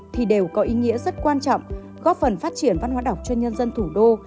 thì đều có ý nghĩa rất quan trọng góp phần phát triển văn hóa đọc cho nhân dân thủ đô